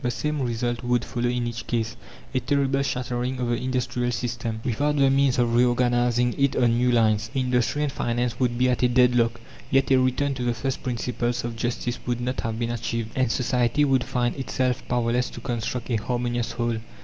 The same result would follow in each case a terrible shattering of the industrial system, without the means of reorganizing it on new lines. Industry and finance would be at a deadlock, yet a return to the first principles of justice would not have been achieved, and society would find itself powerless to construct a harmonious whole.